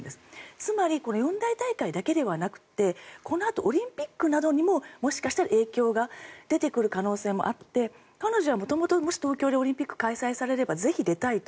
つまり、四大大会だけではなくてこのあとオリンピックなどにももしかしたら影響が出てくる可能性もあって彼女は元々、もし東京でオリンピックが開催されればぜひ出たいと。